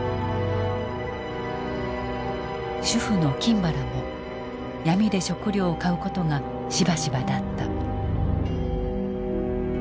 主婦の金原も闇で食料を買うことがしばしばだった。